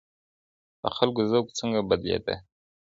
د خلګو ذوق څنګه بدلېده؟